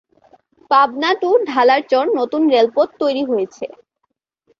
Pabna to Dhalarchar নতুন রেলপথ তৈরী হয়েছে।